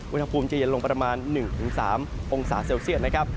อุณหภูมิจะเย็นลงประมาณ๑๓องศาเซลเซียตนะครับ